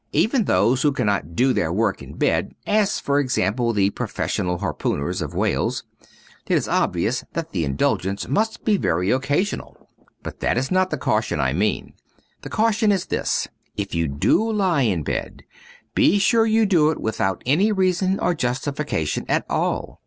Even for those who cannot do their work in bed (as, for example, the professional harpooners of whales), it is obvious that the indulgence must be very occasional. But that is not the caution I mean. The caution is this : if you do lie in bed, be sure you do it without any reason or justification at all.